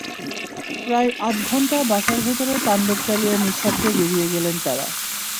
প্রায় আধা ঘণ্টা বাসার ভেতরে তাণ্ডব চালিয়ে নিঃশব্দে বেরিয়ে গেলেন তাঁরা।